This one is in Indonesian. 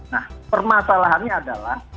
nah permasalahannya adalah